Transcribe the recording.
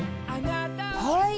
かわいい。